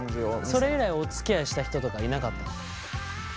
それ以来おつきあいした人とかいなかったの？